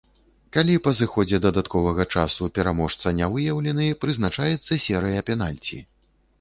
Калі па зыходзе дадатковага часу пераможца не выяўлены, прызначаецца серыя пенальці.